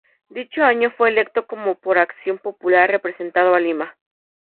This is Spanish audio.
En dicho año fue electo como por Acción Popular, representando a Lima.